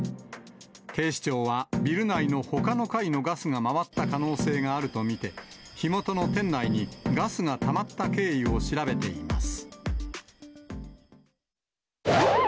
警視庁は、ビル内のほかの階のガスが回った可能性があると見て、火元の店内にガスがたまった経緯を調べています。